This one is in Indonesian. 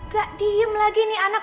gak diem lagi nih anak